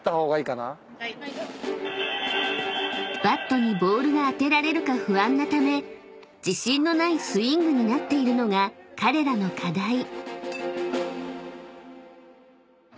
［バットにボールが当てられるか不安なため自信のないスイングになっているのが彼らの課題］